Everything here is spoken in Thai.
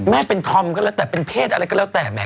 เป็นธอมก็แล้วแต่เป็นเพศอะไรก็แล้วแต่แม่